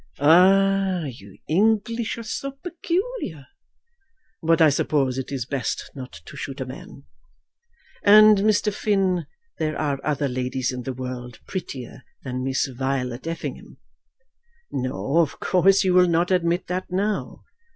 "Ah; you English are so peculiar. But I suppose it is best not to shoot a man. And, Mr. Finn, there are other ladies in the world prettier than Miss Violet Effingham. No; of course you will not admit that now.